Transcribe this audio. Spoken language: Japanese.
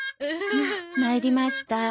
参りました。